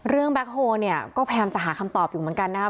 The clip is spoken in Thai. แบ็คโฮเนี่ยก็พยายามจะหาคำตอบอยู่เหมือนกันนะครับ